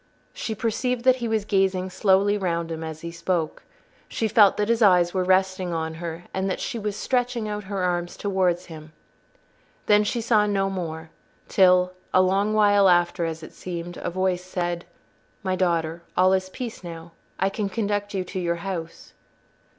She perceived that he was gazing slowly round him as he spoke. She felt that his eyes were resting on her, and that she was stretching out her arms towards him. Then she saw no more till—a long while after, as it seemed—a voice said, "My daughter, all is peace now. I can conduct you to your house."